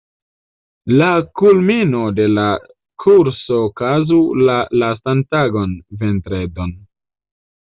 La kulmino de la kurso okazu la lastan tagon, vendredon.